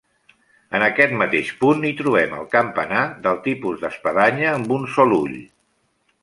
En aquest mateix punt hi trobem el campanar, del tipus d'espadanya amb un sol ull.